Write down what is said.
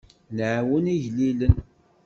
Ad nɛawen igellilen.